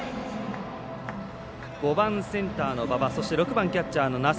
５番センターの馬場６番キャッチャーの奈須。